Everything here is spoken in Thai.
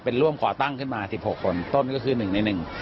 เป็นร่วมก่อตั้งขึ้นมาสิบหกคนต้นก็คือหนึ่งในหนึ่ง